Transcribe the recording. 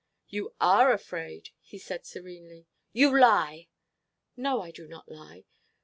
"You are afraid," he said serenely. "You lie!" "No, I do not lie.